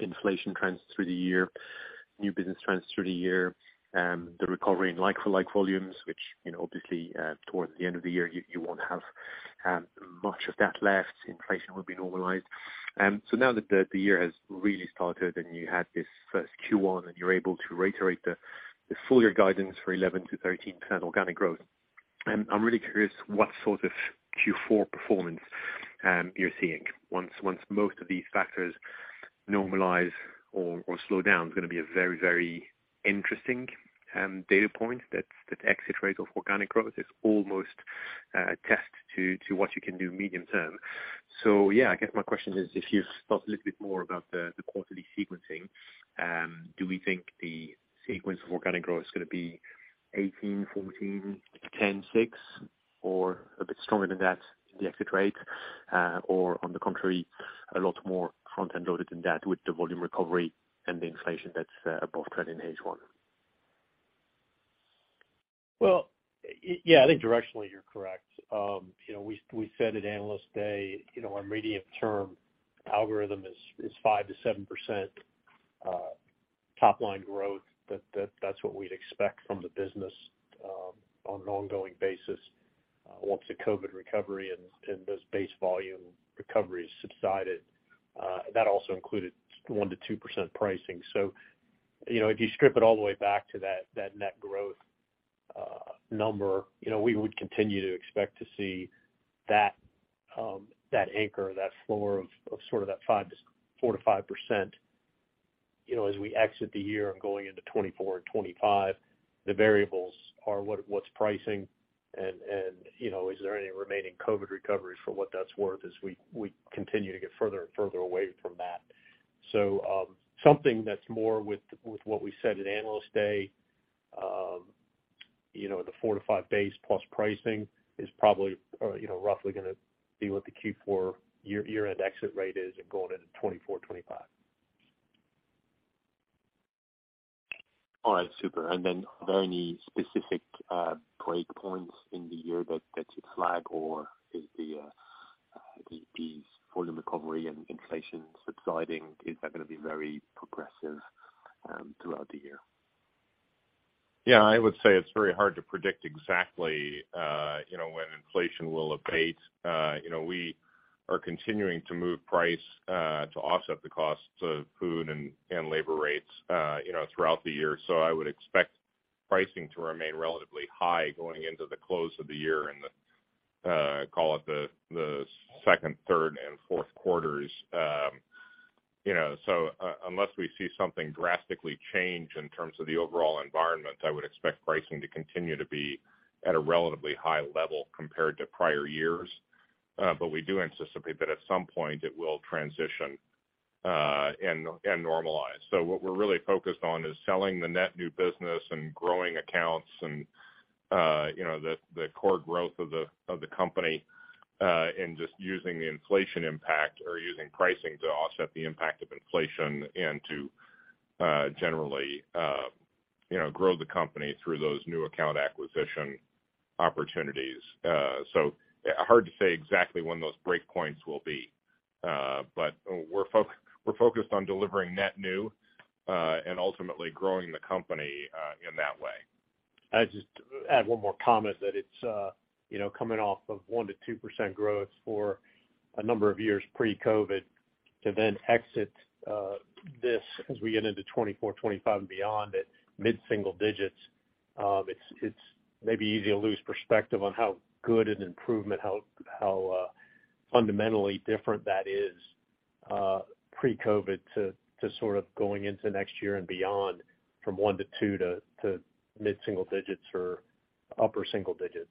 inflation trends through the year, new business trends through the year, the recovery in like-for-like volumes, which, you know, obviously, towards the end of the year you won't have much of that left. Inflation will be normalized. Now that the year has really started and you had this first Q1 and you're able to reiterate the full year guidance for 11%-13% organic growth, I'm really curious what sort of Q4 performance you're seeing once most of these factors normalize or slow down. It's gonna be a very, very interesting data point that exit rate of organic growth is almost a test to what you can do medium term. Yeah, I guess my question is if you thought a little bit more about the quarterly sequencing, do we think the sequence of organic growth is gonna be 18%, 14%, 10%, 6%, or a bit stronger than that in the exit rate? Or on the contrary, a lot more front-end loaded than that with the volume recovery and the inflation that's above trend in H1? Yeah, I think directionally you're correct. You know, we said at Analyst Day, you know, our medium term algorithm is 5%-7%. Top line growth, that's what we'd expect from the business on an ongoing basis once the COVID recovery and those base volume recoveries subsided. That also included 1%-2% pricing. You know, if you strip it all the way back to that net growth number, you know, we would continue to expect to see that anchor, that floor of sort of that 4%-5%, you know, as we exit the year and going into 2024 and 2025. The variables are what's pricing and, you know, is there any remaining COVID recovery for what that's worth as we continue to get further and further away from that. Something that's more with what we said at Analyst Day, you know, the 4-5 base plus pricing is probably, you know, roughly gonna be what the Q4 year-end exit rate is and going into 2024, 2025. All right, super. Are there any specific breakpoints in the year that you flag or is the volume recovery and inflation subsiding, is that going to be very progressive throughout the year? Yeah, I would say it's very hard to predict exactly, you know, when inflation will abate. You know, we are continuing to move price to offset the costs of food and labor rates, you know, throughout the year. I would expect pricing to remain relatively high going into the close of the year and the, call it the second, third and fourth quarters. You know, unless we see something drastically change in terms of the overall environment, I would expect pricing to continue to be at a relatively high level compared to prior years. We do anticipate that at some point it will transition, and normalize. What we're really focused on is selling the net new business and growing accounts and, you know, the core growth of the company, and just using the inflation impact or using pricing to offset the impact of inflation and to, generally, you know, grow the company through those new account acquisition opportunities. Hard to say exactly when those breakpoints will be. We're focused on delivering net new, and ultimately growing the company, in that way. I'd just add one more comment that it's, you know, coming off of 1%-2% growth for a number of years pre-COVID to then exit this as we get into 2024, 2025 and beyond at mid-single digits. It's, it's maybe easy to lose perspective on how good an improvement, how fundamentally different that is pre-COVID to sort of going into next year and beyond from 1-2 to mid-single digits or upper single digits.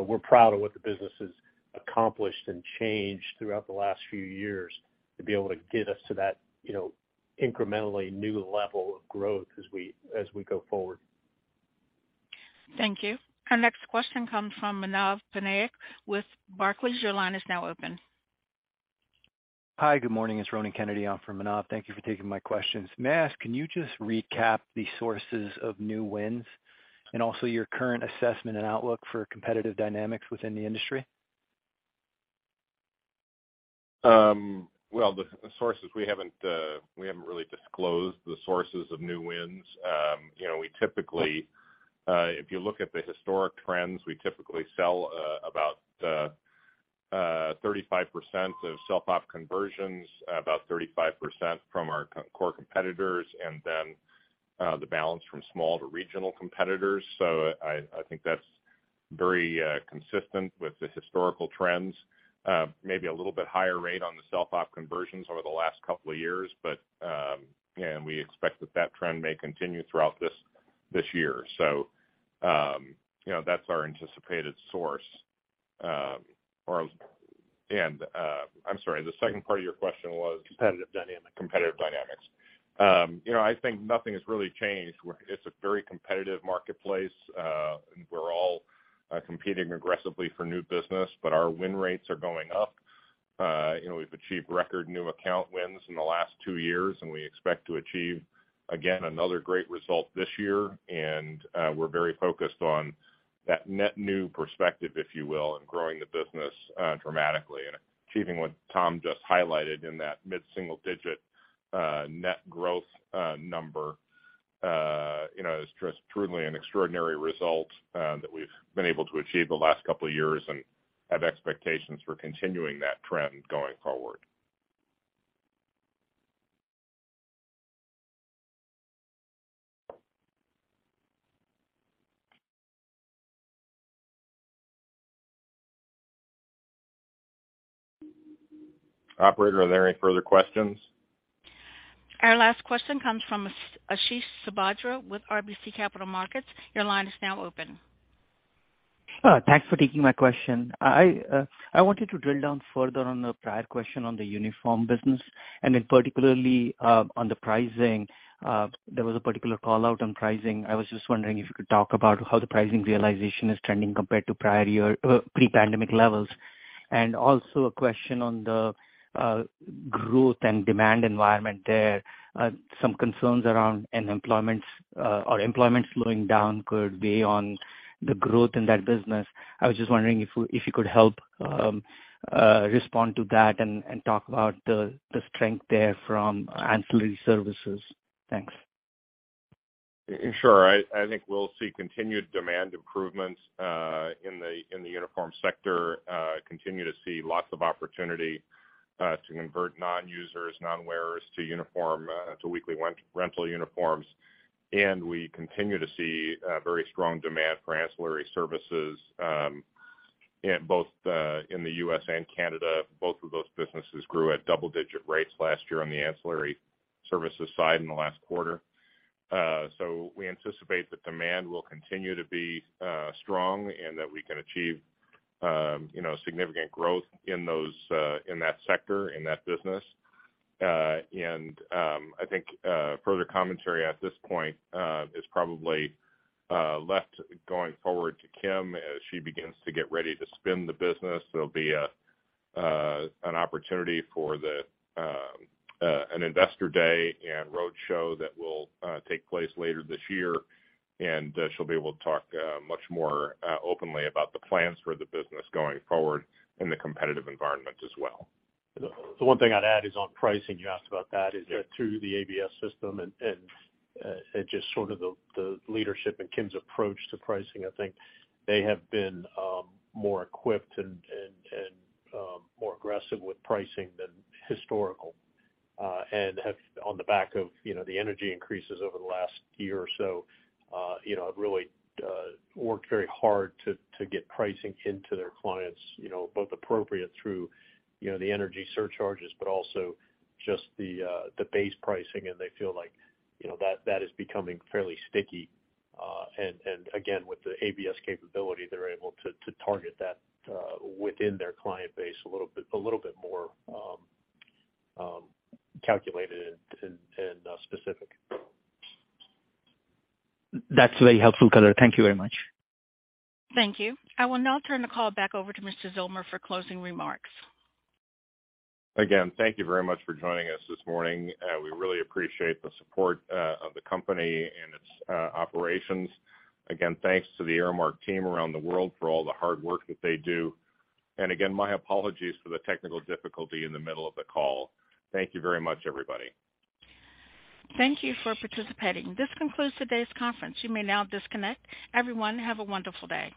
We're proud of what the business has accomplished and changed throughout the last few years to be able to get us to that, you know, incrementally new level of growth as we, as we go forward. Thank you. Our next question comes from Manav Patnaik with Barclays. Your line is now open. Hi, good morning. It's Ronan Kennedy in for Manav. Thank you for taking my questions. May I ask, can you just recap the sources of new wins, and also your current assessment and outlook for competitive dynamics within the industry? Well, the sources we haven't really disclosed the sources of new wins. You know, we typically, if you look at the historic trends, we typically sell about 35% of self-op conversions, about 35% from our core competitors, and then the balance from small to regional competitors. I think that's very consistent with the historical trends. Maybe a little bit higher rate on the self-op conversions over the last couple of years. And we expect that trend may continue throughout this year. You know, that's our anticipated source. And, I'm sorry, the second part of your question was? Competitive dynamics. Competitive dynamics. you know, I think nothing has really changed. It's a very competitive marketplace, and we're all competing aggressively for new business. Our win rates are going up. you know, we've achieved record new account wins in the last two years, and we expect to achieve again another great result this year. We're very focused on that net new perspective, if you will, and growing the business, dramatically and achieving what Tom just highlighted in that mid-single digit, net growth, number. you know, it's just truly an extraordinary result, that we've been able to achieve the last couple of years and have expectations for continuing that trend going forward. Operator, are there any further questions? Our last question comes from Ashish Sabadra with RBC Capital Markets. Your line is now open. Thanks for taking my question. I wanted to drill down further on the prior question on the uniform business, and in particularly on the pricing. There was a particular call out on pricing. I was just wondering if you could talk about how the pricing realization is trending compared to prior year pre-pandemic levels. Also a question on the growth and demand environment there. Some concerns around unemployments or employment slowing down could weigh on the growth in that business. I was just wondering if you could help respond to that and talk about the strength there from ancillary services. Thanks. Sure. I think we'll see continued demand improvements in the, in the uniform sector, continue to see lots of opportunity to convert non-users, non-wearers to uniform, to weekly rent-rental uniforms. We continue to see very strong demand for ancillary services in both the, in the U.S. and Canada. Both of those businesses grew at double-digit rates last year on the ancillary services side in the last quarter. We anticipate the demand will continue to be strong and that we can achieve, you know, significant growth in those, in that sector, in that business. I think, further commentary at this point, is probably left going forward to Kim as she begins to get ready to spin the business. There'll be an opportunity for the an investor day and roadshow that will take place later this year, and she'll be able to talk much more openly about the plans for the business going forward and the competitive environment as well. The one thing I'd add is on pricing. You asked about that, is that through the ABS system and just sort of the leadership and Kim's approach to pricing, I think they have been more equipped and more aggressive with pricing than historical. And have on the back of, you know, the energy increases over the last year or so, you know, have really worked very hard to get pricing into their clients, you know, both appropriate through, you know, the energy surcharges, but also just the base pricing, and they feel like, you know, that is becoming fairly sticky. And again, with the ABS capability, they're able to target that within their client base a little bit more calculated and specific. That's very helpful, Zillmer. Thank you very much. Thank you. I will now turn the call back over to Mr. Zillmer for closing remarks. Again, thank you very much for joining us this morning. We really appreciate the support of the company and its operations. Again, thanks to the Aramark team around the world for all the hard work that they do. Again, my apologies for the technical difficulty in the middle of the call. Thank you very much, everybody. Thank you for participating. This concludes today's conference. You may now disconnect. Everyone, have a wonderful day.